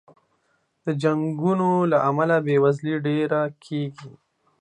د جنګونو له امله بې وزلي ډېره کېږي.